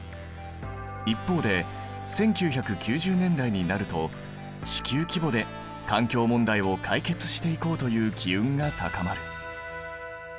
一方で１９９０年代になると地球規模で環境問題を解決していこうという機運が高まる。